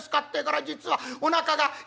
ってえから『実はおなかが』。